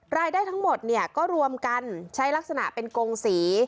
รายได้ทั้งหมดเนี่ยก็รวมกันใช้ลักษณะเป็นกงสี